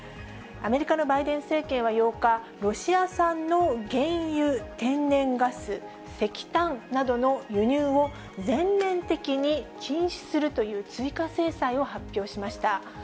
アメリカのバイデン政権は８日、ロシア産の原油、天然ガス、石炭などの輸入を全面的に禁止するという追加制裁を発表しました。